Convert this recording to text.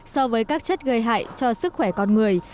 so với các chất gây hại cho sức khỏe con người